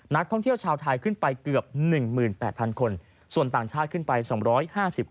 นักท่องเที่ยวชาวไทยขึ้นไปเกือบ๑๘๐๐คนส่วนต่างชาติขึ้นไป๒๕๐คน